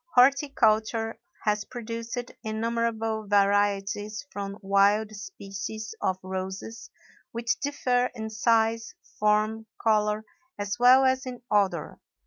Horticulture has produced innumerable varieties from wild species of roses, which differ in size, form, color, as well as in odor.